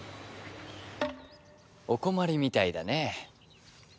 お困りみたいだね。